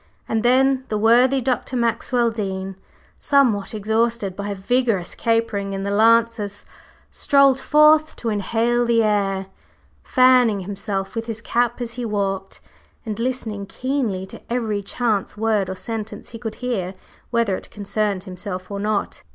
And then the worthy Dr. Maxwell Dean, somewhat exhausted by vigorous capering in the "Lancers," strolled forth to inhale the air, fanning himself with his cap as he walked, and listening keenly to every chance word or sentence he could hear, whether it concerned himself or not.